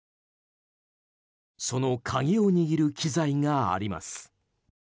その鍵を握る機材があります。